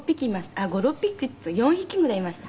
あっ５６匹４匹ぐらいいました。